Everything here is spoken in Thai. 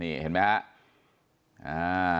นี่เห็นไหมฮะ